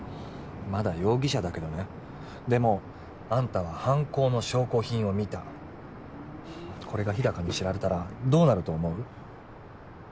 まだ容疑者だけどねでもあんたは犯行の証拠品を見たこれが日高に知られたらどうなると思う？